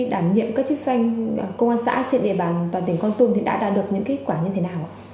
đảm nhiệm các chức danh công an xã trên địa bàn toàn tỉnh con tum thì đã đạt được những kết quả như thế nào